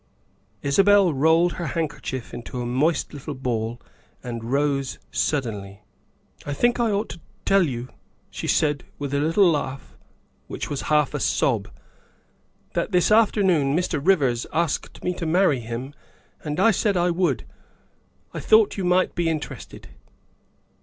'' Isabel rolled her handkerchief into a moist little ball and rose suddenly. " I think I ought to tell you," she said, with a little laugh which was half a sob, " that this afternoon Mr. Rivers asked me to marry him and I said I would. I thought you might be interested.